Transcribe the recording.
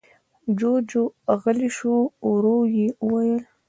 جُوجُو غلی شو. ورو يې وويل: